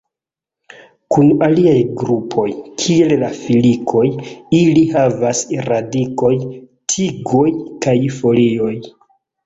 Kun aliaj grupoj, kiel la filikoj, ili havas radikoj, tigoj kaj folioj.